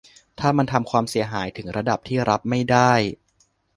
- ถ้ามันทำความเสียหายถึงระดับที่รับไม่ได้